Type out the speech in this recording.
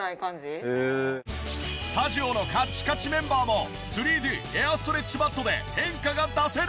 スタジオのカチカチメンバーも３Ｄエアストレッチマットで変化が出せるのか？